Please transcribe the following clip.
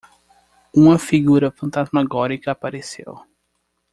Uma figura fantasmagórica apareceu.